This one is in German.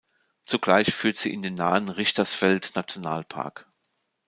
Zugleich führt sie in den nahen Richtersveld-Nationalpark.